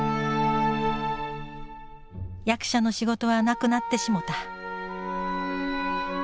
役者の仕事はなくなってしもた